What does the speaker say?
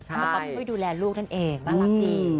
ประกอบช่วยดูแลลูกนั่นเองน่ารักดี